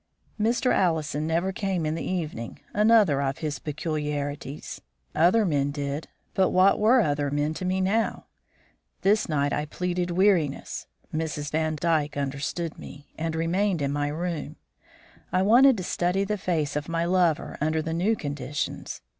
Mr. Allison never came in the evening, another of his peculiarities. Other men did, but what were other men to me now? This night I pleaded weariness (Mrs. Vandyke understood me), and remained in my room. I wanted to study the face of my lover under the new conditions.